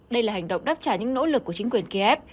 đây là hành động đáp trả những nỗ lực của chính quyền kiev